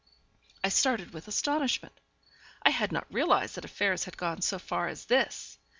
I started with astonishment. I had not realized that affairs had gone so far as this.